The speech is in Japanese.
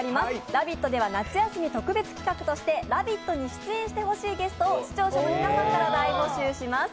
「ラヴィット！」では夏休み特別企画として「ラヴィット！」に出演してほしいゲストを視聴者の皆さんから大募集します。